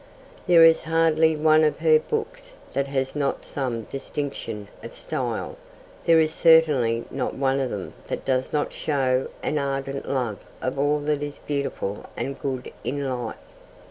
There is hardly one of her books that has not some distinction of style; there is certainly not one of them that does not show an ardent love of all that is beautiful and good in life.